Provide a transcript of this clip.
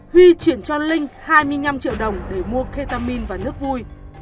huy chuyển cho linh hai mươi năm triệu đồng để mua ketamin và nước vui